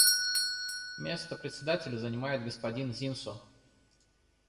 Место Председателя занимает господин Зинсу.